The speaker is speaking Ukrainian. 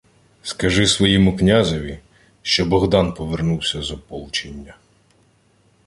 — Скажи своєму князеві, що Богдан повернув з ополчення!